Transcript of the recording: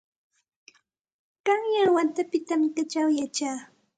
Qanyan watapitam kaćhaw yachaa.